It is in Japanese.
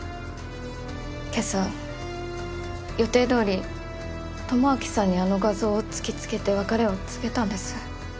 今朝予定通り智明さんにあの画像を突きつけて別れを告げたんです。